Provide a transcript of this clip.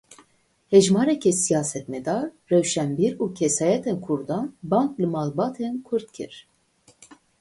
Hejmareke siyasetmedar, rewşenbîr û kesayetên kurdan bang li malbatên kurd kir.